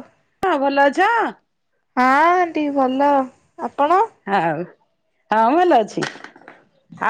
ହୁ ହଁ ଭଲ ଅଛ? ହଁ ଆଣ୍ଟି ଭଲ ଆପଣ? ଆଉ ହଁ ଭଲ ଅଛି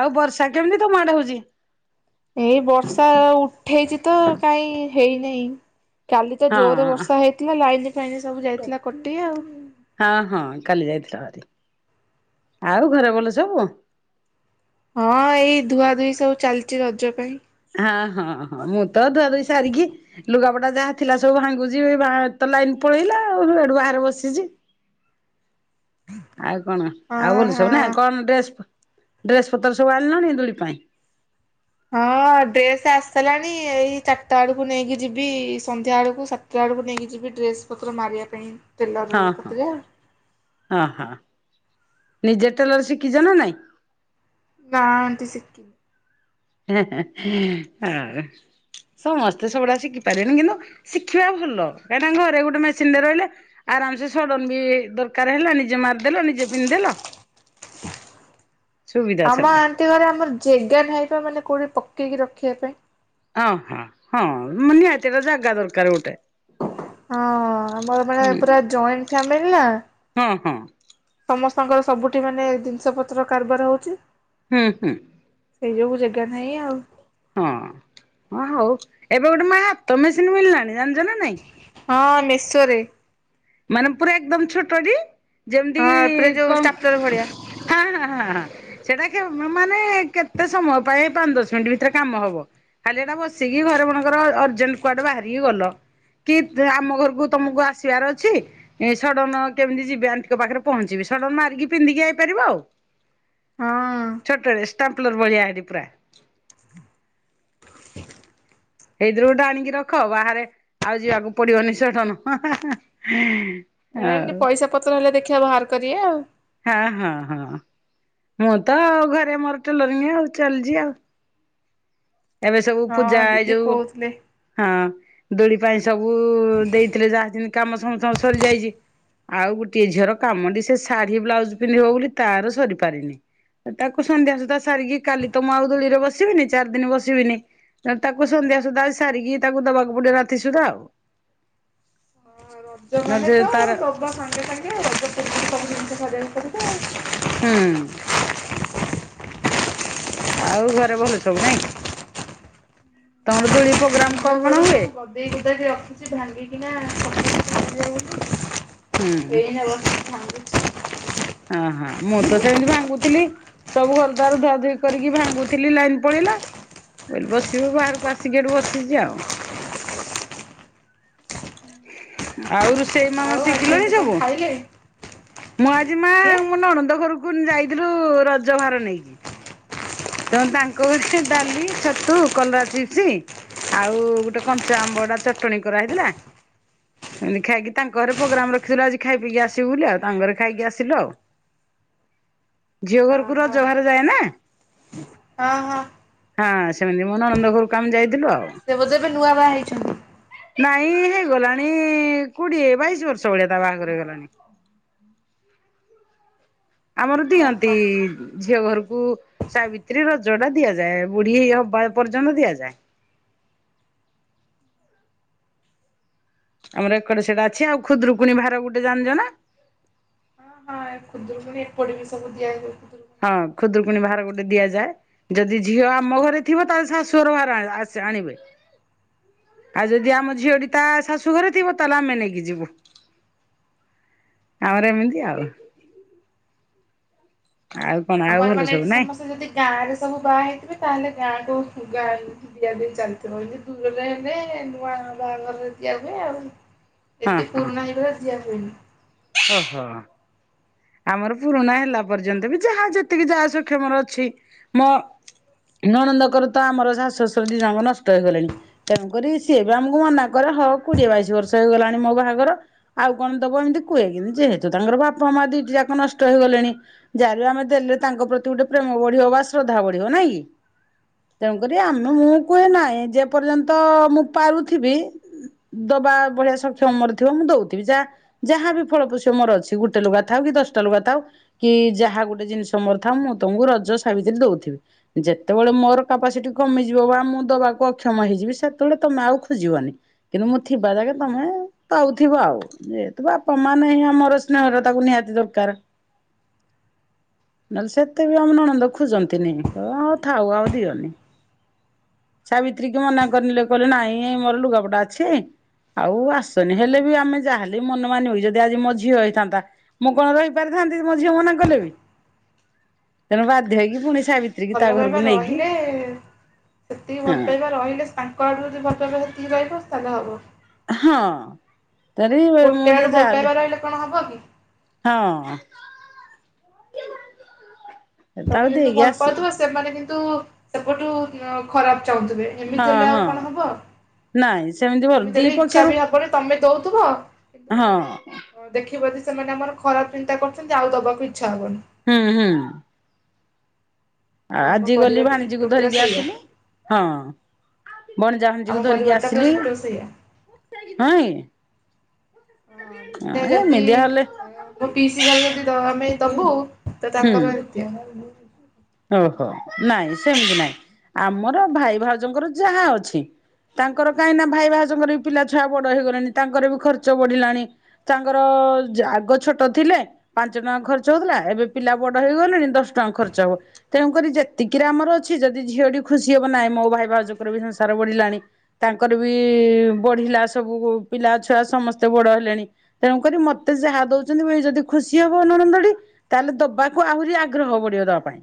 ଆଉ ବର୍ଷା କେମିତି ତ ମାଡେ ହଉଛି? ଏଇ ବର୍ଷା ଉଠେଇଛି ତ କାଇଁ ହେଇନାହିଁ। କାଲି ତ ହଁ ଜୋରରେ ବର୍ଷା ହେଇଥିଲା ଲାଇନ ଫାଇନ ସବୁ ଯାଇଥିଲା କଟି ଆଉ ହଁ ହଁ କାଲି ଯାଇଥିଲ ଭାରି ଆଉ ଘର ଭଲ ସବୁ ହଁ ଏଇ ଧୁଆ ଧୁଇ ସବୁ ଚାଲିଛି ରଜ ପାଇଁ ହଁ ହଁ ହଁ ମୁଁ ତ ଧୁଆ ଦୁଇ ସାରିକି ଲୁଗାପଡା ଯାହା ଥିଲା ସବୁ ଭାଙ୍ଗୁଛି ତ ଲାଇନ ପଳେଇଲା ଆଉ ହେଡୁ ବାହାରେ ବସିଛି। ଆଉ କଣ ଆଉ ହଁ ଭଲ ସବୁ ହଁ। ନା କଣ ଡ୍ରେସ୍ ଡ୍ରେସ ପତ୍ର ସବୁ ଆଣିଲଣି ଦୂୁଳି ପାଇଁ ହଁ ଡ୍ରେସ୍ ଆସିିଲାଣି ଏଇ ଚାରିଟା ବେଳକୁ ନେଇକି ଯିବି ସନ୍ଧ୍ୟା ବେଳକୁ ସାତ ଆ ଆଡ଼କୁ ନେଇକି ଯିବି ଡ୍ରେସ୍ ପତ୍ର ମାରିବା ପାଇଁ ଟେଲର୍ର ରଖଥିଲ ଜା ଓ ହଁ ନିଜେ ଟେଲର ଶିଖିଛ ନା ନାଇଁ ନାଁ ଆଣ୍ଟୀ ସେକିି ହେ ହେ ହେ ହଉ ସମସ୍ତେ ସବୁଡାଆ ଶିଖି ପାରିବେନି କିନ୍ତୁ ଶିଖିବା ଭଲ କାହିଁକି ନା ଘରେ ଗୋଟେ ମେସିନରେ ରହିଲେ ଆରାମ ସେେ ସଡ଼ନ ବି ଦରକାର ହେଲା ନିଜେ ମାରିଦେଲ ନିଜେ ପିନ୍ଧିଦେଲ ସୁବିଧା ଆମ ସେଟା ଆଣ୍ଟି ଘରେ ଆମର ଯେଗା ନାଇଁ ମାନେ କୋଉଠି ପକେଇକି ରଖିବା ପାଇଁ ଓହୋ ହଁ ନିହାତିଟା ଜାଗା ଦରକାର ଗୋଟେ ହଁ ଆମର ମାନେ ହୁଁ ପୁରା ଜଏଣ୍ଟ ଫାମିଲି ନା ହଁ ହଁ ସମସ୍ତଙ୍କର ସବୁଠି ମାନେ ଜିନିଷ ପତ୍ର କାରବାର ହଉଛି। ହୁଁ ହୁଁ ସେଇ ଯୋଉୁ ଜାଗା ନାହିଁ ଆଉ ହଁ ହଁଁ ହଉ ଏବେ ଗୋଟେ ମା ହାତ ମେସିନ୍ ମିଳିଲାଣି ଜାଣିଛ ନା ନାଇ ହଁ ମେଶୋ ରେ ମାନେ ପୁରା ଏକଦମ୍ ଛୋଟଟି ଯେମିତି କି ହଁ ପୁରା ଯୋଉ କମ୍ ଷ୍ଟାପଲର ଭଳିଆ। ହଁ ହଁ ହଁଁ ସେଟା କେମା ମାନେ କେତେ ସମୟ ପାଇଁ ପାଞ୍ଚ ଦଶ ମିନିଟ ଭିତରେ କାମ ହବ। ଖାଲି ଏଟା ବସିକି ଘରେ ମନେ କର ଅର୍ଜେଣ୍ଟ କୁଆଡେ ବାହାରିକି ଗଲ। କି ଆମ ଘରକୁ ତମକୁ ଆସିବାର ଅଛି ଏ ସଡନ କେମିତି ଯିବି ଆଣ୍ଟିଙ୍କ ପାଖରେ ପହଞ୍ଚିବି ସଡନ ମାରିକି ପିନ୍ଧିକି ଆଇପାରିବ ଆଉ। ହଁ ଛୋଟଟେ ଷ୍ଟାପ୍ଲର ଭଳିିଆ ହେଇଚି ପୁରା। [unintelligible] ଏଇଥିରୁ ଗୋଟେ ଆଣିକି ରଖ ବାହାରେ ଆଉ ଯିବାକୁ ପଡିବନି ସଡନ ହାଁ ହାଁ ଏମତି ପଇସା ପତ୍ର ହେଲେ ଦେଖିବା ବାହାର କରିବା ଆଉ ହଁ ହଁ ହଁ ମୁଁ ତ ଆଉ ଘରେ ମୋର ଟେଲରଙ୍ଗି ଆଉ ଚାଲିଚି ଆଉ ଏବେ ସବୁ ହଁ ପୂଜା ଏଇ ଦିଦି ଯୋଉ କହୁଥିଲେ। ହଁ ଦୋଳି ପାଇଁ ସବୁ ଦେଇଥିଲେ ଯାହା ସେମିତି କାମ ସମତଙ୍କର ସରିଯାଇଚି ଆଉ ଗୋଟିଏ ଝିଅର କାମଟି ସେ ଶାଢୀ ବ୍ଲାଉଜ ପିନ୍ଧିବ ବୋଲି ତାର ସରିପାରିନି। ତାକୁ ସନ୍ଧ୍ୟା ସୁଧା ସାରିକି କାଲି ତ ମୁଁ ଆଉ ଦୋଳିରେ ବସିବିନି ଚାରିଦିନି ବସ ସିବିନି ତାକୁ ସନ୍ଧ୍ୟା ସୁଦ୍ଧା ସାରିକି ତାକୁ ଦବାକୁ ପଡିବ ରାତି ସୁଦ୍ଧା ଆଉ ଜି ଓ ରଜ ନହେଲେ ମାନେ ସେ ତ ତାର [unintelligible] ସାଙ୍ଗେ ସାଙ୍ଗେ ର ସବୁ ଜିନିଷ ସାରିବାକୁ ପଡିବ। ହୁଁ ଆଉ ଘରେ ଭଲ ସବୁ ନାଇଁ ତମର ଦୁଳି ପୋଗ୍ରାମ୍ କଣ କଣ ହୁଏ? ସେଇ ଭିତରେ ରଖିଚି ଭାଙ୍ଗିକିଣା [unintelligible] ହୁଁ ଏଇନା ବସି ଭାଙ୍ଗୁଚ ଆଁ ହଁ ମୁଁ ତ ସେମିତି ଭାଙ୍ଗୁଥିଲି। ସବୁ ଘରଦ୍ଵାର ଧୁଆ ଧୁଇ କରିକି ଭାଙ୍ଗୁଥିଲି ଲାଇଟ ପଳେଇଲା। ବସିବୁ ବାହାରକୁ ଆସିକି ଏଠି ବସିଚି ଆଉ। [inaudible] ଆଉ ରୋଷେଇ ଆଉ ମାମା ଆଜି ଶିଖିଲଣି ଏମିତି କଣ ସବୁ ଖାଇଲେ? ମୁଁ ଆଜି ମାଆ ଆଜ୍ଞା। ମୋ ନଣନ୍ଦ ଘରକୁ ପୁଣି ଯାଇଥିଲୁ ରଜ ଭାର ନେଇକି ତ ତାଙ୍କ ଘରେ ଡାଲି ଛତୁ କଲରା ଚିପ୍ସ ଆଉ ଗୋଟେ କଞ୍ଚା ଆମ୍ବଟା ଚଟଣି କରାହେଇଥିଲା। ଏମିତି ଖାଇକି ତାଙ୍କ ଘରେ ପ୍ରୋଗ୍ରାମ ରଖିଥିଲୁ ଆଜି ଖାଇ ପଇକି ଆସିବୁ ବୋଲି ଆଉ ତାଙ୍କ ଘରେ ଖାଇକି ଆସି ସିଲୁ ଆଉ ଝିଅ ଓହୋ ଘରକୁ ହଁ ରଜଭାର ଯାଏ ନା। ହଁ ହଁ ହଁ ସେମିତି ମୋ ନଣନ୍ଦ ଘରକୁ କାମ ଯାଇଥିଲୁ ଆଉ। ସେ ବୋଧେ ଏବେ ନୂଆ ବାହାହେଇଚନ୍ତି? ନାଇଁ ହେଇଗଲାଣି କୋଡିଏ ବାଇଶି ବର୍ଷ ଭଳିଆ ତା ବାହାଘର ହେଇଗଲାଣି। ଆମର ଦିଅନ୍ତି ଓହୋ ଝିଅ ଘରକୁ ସାବିତ୍ରୀ ରଜ ଟା ଦିଆଯାଏ ବୁଢୀ ହବା ପର୍ଯ୍ୟନ୍ତ ଦିଆଯାଏ। ଆମର ଏକଡେ ସେଟା ଅଛି ଆଉ ଖୁଦୁରୁକୁଣୀ ଭାର ଗୋଟେ ଜାଞ୍ଜିଜ ନା? ହଁ ହଁ ଖୁଦୁରୁକୁଣୀ ଏପଟେ ବି ସବୁ ଦିଆଯାଏ ହଁ ଖୁଦରୁକୁଣୀ ଭାର ଗୋଟେ ଦିଆଯାଏ। ଯଦି ଝିଅ ଆମ ଘରେ ଥିବ ତାହାଲେ ଶାଶୁ ଘରୁ ଭାର ଆଣ ଆସି ଆଣିବେ। ଆଉ ଯଦି ଆମ ଝିଅଟି ତା ଶାଶୁ ଘରେ ଥିବ ତାହେଲେ ଆମେ ନେଇକି ଯିବୁ। ଆମର ଏମିତି ଆଉ। ଆଉ କଣ ଆଉ ଭଲ ସବୁ ନାଇଁ। ଗାଁ ରେ ସବୁ ବାହା ହେଇଥିବେ ତାହେଲେ ଗାଁ କୁ [unintelligible] ଦିଆ ଦି ଚାଲିଥିବ ଏମିତି ଦୂରରେ ହେଲେ ନୂଆ ବାହାଘରରେ ଦିଆ ହୁଏ ଆଉ। ହଁ ଏତେ ପୁରୁଣା ହେଇଗଲା ଦିଆ ହୁଏନି। ଓ ହୋ ଆମର ପୁରୁଣା ହେଲା ପର୍ଯ୍ୟନ୍ତ ବି ଯାହା ଯେତିକି ଯାହା ସକ୍ଷମର ଅଛି। ମୋ ନଣନ୍ଦକର ତ ଆମର ଶାଶୁ ଶ୍ୱଶୁର ଦି ଜଣଙ୍କ ନଷ୍ଟ ହେଇଗଲେଣି। ତେଣୁକରି ସିଏ ବି ଆମକୁ ମନା କରେ ହ କୁଡି଼ଏ ବାଇଶି ବର୍ଷ ହେଇଗଲାଣି ମୋ ବାହାଘର ଆଉ କଣ ଦବ ଏମିତି କୁହେ କିନ୍ତ ଯେହେତୁ ତାଙ୍କର ବାପା ମା ଦିଟି ଯାକ ନଷ୍ଟ ହେଇଗଲେଣି। ଯାହା ବି ଆମେ ଦେଲେ ତାଙ୍କ ପ୍ରତି ଗୋଟେ ପ୍ରେମ ବଢି଼ବ ବା ଶ୍ରଦ୍ଧା ବଢିବ ନାଇଁ କି? ତେଣୁକରି ଆମ ମୁଁ କୁହେ ନାହିଁ ଯେ ପର୍ଯ୍ୟନ୍ତ ମୁଁ ପାରୁଥିବି ଦବା ଭଳିଆ ସକ୍ଷମ ମୋର ଥିବ ମୁଁ ଦଉଥିବି। ଯା ଯାହା ବିି ଫଳପୋଷ୍ୟ ମୋର ଅଛି ଗୋଟେ ଲୁଗା ଥାଉ କି ଦଶଟା ଲୁଗା ଥାଉ କି ଯାହା ଗୋଟେ ଜିନିଷ ମୋର ଥାଉ ମୁଁ ତମକୁ ରଜ ସାବିତ୍ରୀ ଦଉଥିବି। ଯେତେବେଳେ ମୋର କାପାସିଟି କମିଯିବ ବା ମୁଁ ଦବାକୁ ଅକ୍ଷମ ହେଇଯିବି ସେତେବେଳେ ତମେ ଆଉ ଖୋଜିବନି। କିନ୍ତୁ ମୁଁ ଥିବା ଯାକେ ତମେଁ ପାଉଥିବ ଆଉ। ଯେହେତୁ ବାପ, ମା ନାହିଁ ଆମର ସ୍ନେହର ତାକୁ ନିହାତି ଦରକାର। ନହେଲେ ସେତେ ବି ଆମ ନଣନ୍ଦ ଖୁଜନ୍ତିନି। କ-ଅ ଥାଉ ଆଉ ଦିଅନି। ସାବିତ୍ରୀ କି ମନା କରିନେଲେ। କହିଲେ ନାଇଁ ଏ ମୋର ଲୁଗାପଟା ଅଛି। ଆଉ ଆସନି ହେଲେ ବି, ଆମେ ଯାହେଲେ ବି ମନ ମାନିବ କି। ଯଦି ଆଜି ମୋ ଝିଅ ହେଇଥାନ୍ତା। ମୁଁ କଣ ରହି ପାରିଥାନ୍ତି କି, ମୋ ଝିଅ ମନା କଲେ ବି। ତେଣୁ ବାଧ୍ୟ ହେଇକି। ପୁଣି ସାବିତ୍ରୀ ସେତିିକି କି ତା ଭଲ ପାଇବା ଘରକୁ ନେଇକି ରହିଲେ-ଏ ସେତିକି ଭଲ ହଁ ପାଇବା ରହିଲେ, ତାଙ୍କ ଆଡୁ ଯଦି ଭଲ ପାଇବା ସେତିକି ରହିବ ତା ହେଲେ ହବ। ହଁ ତାରି ମୁଁ ଗୋଟେ ଯ ଆଡୁ ଭଲ ଯାହାହେଲେ ପାଇବା ରହିଲେ କଣ ହବ କି? ହଁ, ତମେ ତାକୁ କିନ୍ତୁ ଦେଇକି ଭଲ ଆସି ପାଉଥିବ ସେମାନେ କିନ୍ତୁ ସେପଠୁ ଖରାପ ଚାହୁଁଥିବେ। ଏମିତି ହଁ ହେଲେ ଆଉ ହଁ କଣ ହବ? ନାଇଁ ସେମିତି ଭଲ ସେମିତି ଦି ହେଲେ ଇଛା ପକ୍ଷରୁ ବି ହବନି, ତମେ ଦଉଥିବ ହଁ କିନ୍ତୁ ଦେଖିବ ଯଦି ସେମାନେ ଆମର ଖରାପ ଚିନ୍ତା କରୁଛନ୍ତି, ଆଉ ଦବାକୁ ଇଚ୍ଛା ହବନି। ହୁଁ ହୁଁ। ତ ଆମ ଆଜି ଗଲି ପରିବାରଟା ଭାଣିଜି କୁ ଡିଟୋ ପୁରା ଧରିକି ସେଇଆ ଆସନି ହଁ। ଭଣଜା ଭାଣିଜ ଆମ କୁ ଧରିକି ପରିବାରଟା ପୁରା ଆସିଲି। ଡିଟୋ ସେଇଆ। ହାଁଇ। ହଁ ମାନେ ଅ ଯଦି ଏମିତିଆ ହଲେ ମୋ ପିଇସି ଘର ଯଦି ଆମେ ଦବୁ ତ ହୁଁ। ତାଙ୍କର ଏନତିଆ [unintelligible] ଓହୋ! ନାଇଁ ସେମିତି ନାଇଁ, ଆମର ଭାଇ ଭାଉଜଙ୍କର ଯାହା ଅଛି। ତାଙ୍କର କାହିଁ ନା ଭାଇ ଭାଉଜଙ୍କର ବି ପିଲା ଛୁଆ ବଡ଼ ହେଇଗଲେଣି ତାଙ୍କର ବି ଖର୍ଚ୍ଚ ବଢ଼ିଲାଣି। ତାଙ୍କର ଜ ଆଗ ଛୋଟ ଥିଲେ। ପାଞ୍ଚ ଟଙ୍କା ଖର୍ଚ୍ଚ ହଉଥିଲା। ଏବେ ପିଲା ବଡ଼ ହେଇଗଲେଣି, ଦଶ ଟଙ୍କା ଖର୍ଚ୍ଚ ହବ। ତେଣୁକରି ଯେତିକିରେ ଆମର ଅଛି, ଯଦି ଝିଅଟି ଖୁସି ହବ ନାହିଁ, ମୋ ଭାଇ ଭାଉଜଙ୍କର ବି ସଂସାର ବଢି଼ଲାଣି। ତାଙ୍କର ବି-ଇ ବଢ଼ିଲା ସବୁ ପିଲାଛୁଆ ସମସ୍ତେ ବଡ଼ ହେଲେଣି। ତେଣୁକରି ମତେ ଯାହା ଦଉଛନ୍ତି, ଯଦି ବୋଲି ଖୁସି ହବ ନଣନ୍ଦ ଟି ତା, ହେଲେ ଦବାକୁ ଆହୁରି ଆଗ୍ରହ ବଢ଼ିବ, ଦବା ପାଇଁ।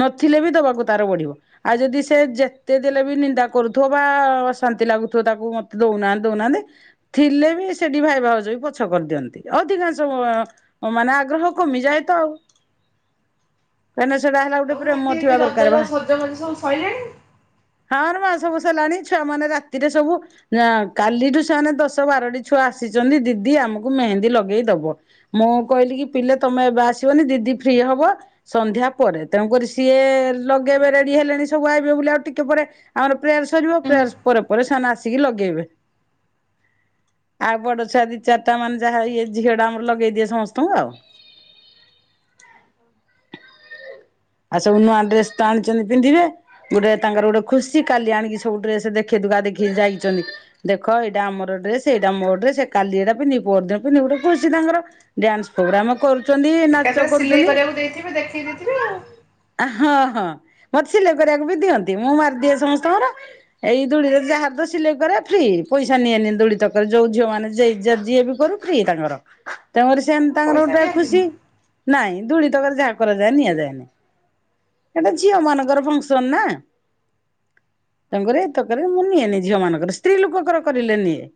ନଥିଲେ ବି ଦବାକୁ ତାର ବଢ଼ିବ। ଆଉ, ଯଦି ସେ ଯେତେ ଦେଲେ ବି ନିନ୍ଦା କରୁଥିବ, ବା-ଆ ଅଶାନ୍ତି ଲାଗୁଥିବ, ତାକୁ ମତେ ଦଉନାହାଁନ୍ତି ଦଉନାହାଁନ୍ତି। ଥିଲେ ବି ସେଠି ଭାଇ ଭାଉଜ ବି ପଛ କରିଦିଅନ୍ତି, ଅଧିକାଂଶ ବ ଓ ମାନେ ଆଗ୍ରହ କମିଯାଏ ତ ଆଉ। କାହିଁକି ନା ସେଟା ହେଲା ଗୁଟେ, ଆଉ ଏମିତି ପ୍ରେମ ଏଠି ଥିବା ଦରକାରେ ରଜର ଭା ସଜବାଜ ସବୁ ସଇଲାଣି? ହଁ, ରେ ମାଁ ସବୁ ସଲାଣି। ଛୁଆ ମାନେ ରାତିରେ ସବୁ ନା କାଲିଠୁ ସେମାନେ ଦଶ ବାରଟି ଛୁଆ ଆସିଛନ୍ତି, ଦିଦି ଆମକୁ ମେହେନ୍ଦୀ ଲଗେଇ ଦବ। ମୁଁ କହିଲି କି ପିଲେ ତମେ ଏବେ ଆସିବନି। ଦିଦି ଫ୍ରି ହବ ସନ୍ଧ୍ୟା ପରେ। ତେଣୁକରି ସିଏ ଲଗେଇବେ ରେଡି଼ ହେଲେଣି ସବୁ ଆଇବେ ବୋଲି, ଆଉ ଟିକେ ପରେ। ଆମର ପ୍ରେୟାର୍ ସରିବ। ପ୍ରେୟାର୍ ପରେ ପରେ ସେମାନେ ଆସିକି ଲଗେଇବେ। ହ ଆଉ ବଡ ଛୁଆ ଦି ଚାରିଟା ମାନେ, ଯାହା ଇଏ ଝିଅ ଡା ଆମର ଲଗେଇ ଦିଏ ସମସ୍ତଙ୍କୁ ଆଉ। ଆଉ ସବୁ ନୂଆ ଡ୍ରେସ୍ ତ ଆଣିଛନ୍ତି ପିନ୍ଧିବେ। ଗୁଟେ ତାଙ୍କର ଗୁଟେ ଖୁସି। କାଲି ଆଣିକି ସବୁ୍ ଡ୍ରେସ୍ ଦେଖେ ଦୁକା ଦେଖିକି ଯାଇଛନ୍ତି। ଦେଖ ଏଇଟା ଆମର ଡ୍ରେସ୍, ଏଇଟା ମୋଡ୍ରେସ୍, କାଲିଟା ଏଇଟା ପିନ୍ଧି ପର ଦିନ ପିନ୍ଧିବୁ, ଗୋଟେ ଖୁସି ତାଙ୍କର। ଡ୍ୟାନ୍ସ ପ୍ରୋଗ୍ରାମ୍ କରୁ ଏକାଥରେ ସିଲେଇ କରିବାକୁ ଦେଇଥିବେ ଦେଖେଇ ଦେଇଥିବେ ଆଉ। ଆ ହଁ ହଁ ମତେ ସିଲେଇ କରିବାକୁ ବି ଦିଅନ୍ତି ମୁଁ ମାରିଦିଏ ସମସ୍ତଙ୍କର। ଏଇ ଦୁଳିରେ ଯାହାର ତ ସିଲେଇ କରେ ଫ୍ରି ପଇସା ନିଏନି ଦୋଳି ତକରେ ଯୋଉ ଝିଅ ମାନେ ଜେଇ ଯା ଯିଏ ବି କରୁ। [unintelligible] ତାଙ୍କର ତାଙ୍କର ଆଉ ସେମ ତାଙ୍କର ପଇସା ଗୋଟେ ନିଅନ୍ତିନି? ଖୁସି ନାଇଁ ଦୁଳିିତକରେ ଯାହା କରାଯାଏ ନିଆଯାଏନି। ସେଟା ଝିଅ ମାନଙ୍କର ଫଙ୍କସନ ନା। ତାଙ୍କର ଏତକରେ ମୁଁ ନିଏନି ଝିଅ ମାନଙ୍କର ସ୍ତ୍ରୀ ଲୋକଙ୍କର କରିଲେ ନିଏ।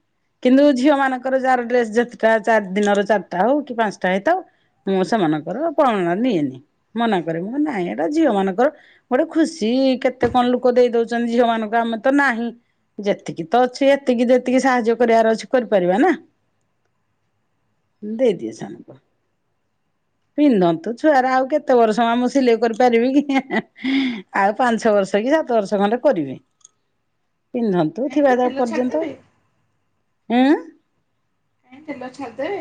କିନ୍ତୁ ଝିଅ ମାନଙ୍କର ଯାହାର ଡ୍ରେ ଯେତଟା ଚାରି ଦିନର ଚାରିଟା ହଉ କି ପାଞ୍ଚଟା ହେଇଥାଉ ମୁଁ ସେମାନଙ୍କର ପାଳନା ନିଏନି ମନାକରେ ମୋ ନାଇଁ ଏଟା ଝିଅ ମାନଙ୍କର। ଗୋଟେ ଖୁସି କେତେ କଣ ଲୋକ ଦେଇ ଦଉଛନ୍ତି ଝିଅ ମାନଙ୍କୁ ଆମେ ତ ନାହିଁ। ଯେତିକି ତ ଅଛି ଏତିକି ଯେତିକି ସାହାଯ୍ୟ କରିବାର ଅଛି କରିପାରିବା ନା। ମୁ ଦେଇ ଦିଏ ସାନ କୁ। ପିନ୍ଧନ୍ତୁ ଛୁଆରା ଆଉ କେତେ ବର୍ଷ ଆମ ସିଲେଇ କରିପାରିବି କି ହେଁ ହେଁ ହେଁ ଆଉ ପାଞ୍ଚ ବର୍ଷ କି ସାତ ବର୍ଷ ଖଣ୍ଡେ କରିବି। ପିନ୍ଧନ୍ତୁ ଥିବା କାହିଁକି ଯା ତେଲ ପର୍ଯ୍ୟନ୍ତ। ଛାଡ଼ିଦେବେ ଏଁ ଏଇ ତେଲ ଛାଦରେ।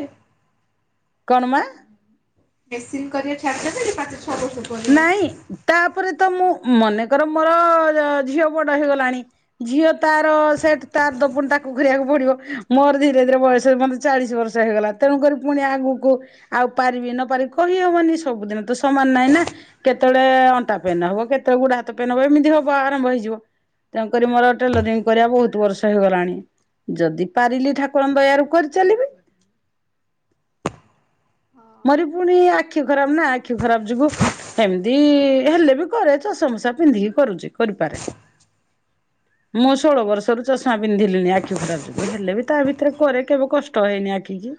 କଣମା? ମେସିନ୍ କରିବା ଛାଡ଼ି ଦେବେ କି ପାଞ୍ଚ ଛଅ ବର୍ଷ? ପରେ ନାଇଁ ତାପରେ ତ ମୁଁ ମନେକର ମୋର ଅ ଝିଅ ବଡ ହେଇଗଲାଣି। ଝିଅ ତାର ସେଠ ତାର ଦ ପୁଣି ତାକୁ କରିବାକୁ ପଡିବ ମୋର ଧୀରେ ଧୀରେ ବୟସ ମତେ ଚାଳିଶ ବର୍ଷ ହେଇଗଲା। ତେଣୁକରି ପୁଣି ଆଗକୁ ଆଉ ପାରିବି ନ ପାରିବି କହିହବନି ସବୁଦିନ ତ ସମାନ ନହିଁ ନା। କେତେବେଳେ ଅଣ୍ଟା ପେନ ହବ କେତେବେଳେ ଗୁଡା ହାତ ପେନ ହବ ଏମିତି ହବ ଆରମ୍ଭ ହେଇଯିବ। ତେଣୁକରି ମୋର ଟେଲରିଂ କରିବା ବହୁତ ବର୍ଷ ହେଇଗଲାଣି। ଯଦି ପାରିଲି ଠାକୁରଙ୍କ ଦୟାରୁ କରିଚାଲିବି। [inaudible] ମର ପୁଣି ଆଖି ଖରାପ ନା ଆଖି ଖରାପ ଯୋଗୁ ଏମିତି ହେଲେ ବି କରେ ଚଷ ମସା ପିନ୍ଧିକି କରୁଛି କରିପାରେ। ମୁଁ ଷୋହଳ ବର୍ଷରୁ ଚଷମା ପିନ୍ଧିଲିନି ଆଖି ଖରାପ ଯୋଗୁ ହେଲେ ବି ତା ଭିତରେ କରେ କେବେ କଷ୍ଟ ହେଇନି ଆଖି କି।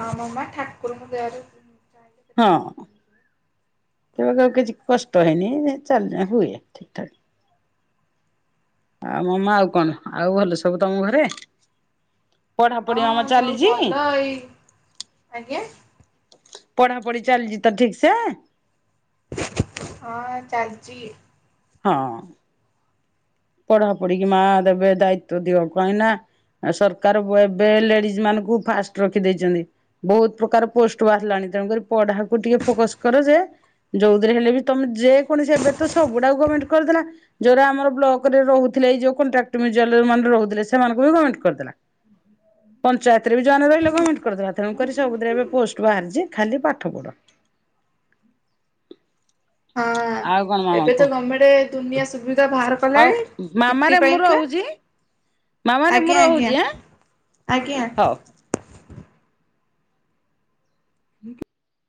ହଁ ମ ମା ଠାକୁରଙ୍କ ଦୟାରୁ। ଚାହିଁଲେ କେତେ ଦିନ ହଁ। ବଞ୍ଚିବ। କେବେ ଆଉ କିଛି କଷ୍ଟ ହେଇନି ଚାଲି ହୁଏ ଠିକ ଠାକ। ଆଉ ମମ ଆଉ କଣ ଆଉ ଭଲ ସବୁ ତମ ଘରେ? ପଢାପଢି କାମ ହଁ ସବୁ ଚାଲିଛି। ଭଲ ଏଇ ଆଜ୍ଞା ପଢା ପଢି ଚାଲିଛି ତ ଠିକ୍ ସେ? ହଁ ଚାଲଛି। ହଁ। ପଢା ପଢିକି ମା ଦେବେ ଦାୟିତ୍ୱ ଦିଅ କାହିଁକି ନା? ଆ ସରକାର ବ ଏବେ ଲେଡିଜ ମାନଙ୍କୁ ଫାଷ୍ଟ ରଖିଦେଇଛନ୍ତି। ବହୁତ ପ୍ରକାର ପୋଷ୍ଟ ବାହାରିଲାଣି ତେଣୁକରି ପଢାକୁ ଟିକେ ଫୋକସ କର ଯେ ଯୋଉଥିରେ ହେଲେ ବି ତମେ ଯେକୌଣସି ଏବେ ତ ସବୁଡାକୁ ଗମେଣ୍ଟ କରିଦେଲା ଯୋଉଟା ଆମର ବ୍ଲକ ରହୁଥିଲେ ଏଇ ଯୋଉ କଣ୍ଟାଟ ମିଉଚିଆଲ ମାନ ରହୁଥିଲେ ସେମାନଙ୍କୁ ବି କମେଣ୍ଟ କରିଦେଲା। ପଞ୍ଚାୟତରେ ବି ଯୋଉ ମାନେ ରହିଲେ ଗମେଣ୍ଟ କରିଦେଲା, ତେଣୁ କରି ସବୁଥିରେ ଏବେ ପୋଷ୍ଟ ବାହାରିଛି ଖାଲି ପାଠ ପଢ଼। ହଁ। ଆଉ କଣ ମାମା ଏବେ ତ କୁହ ଗମେଟ ଦୁନିଆ ସୁବିଧା ବାହାର ହଉ କଲାଣି ସିଟି ମାମାରେ ମୁଁ ପାଇଁକା। ରହୁଛି ମାମାରେ ମୁଁ ଆଜ୍ଞା ରହୁଛି ଆଜ୍ଞା ଆଁ ଆଜ୍ଞା। ହଉ। ହଁ କି